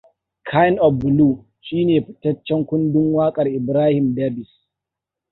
Kind of Blue shine fitaccen kundin wakar Ibrahim Davis.